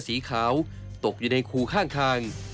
สีขาวตกอยู่ในคูข้างทาง